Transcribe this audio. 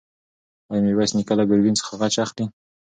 ایا میرویس نیکه له ګرګین څخه غچ اخلي؟